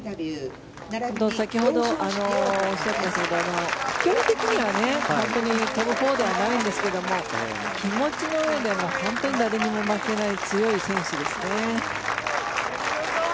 先ほどおっしゃった基本的には本当に飛ぶほうではないんですが気持ちのうえで本当に誰にも負けない強い選手ですよね。